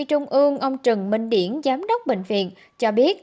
trung ương ông trần minh điển giám đốc bệnh viện cho biết